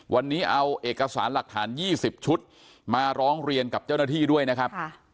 วันนี้เอาเอกสารหลักฐาน๒๐ชุดมาร้องเรียนกับเจ้าหน้าที่ด้วยนะครับ